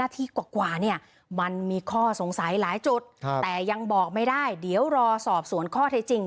แต่ยังบอกไม่ได้เดี๋ยวรอสอบสวนข้อให้จริง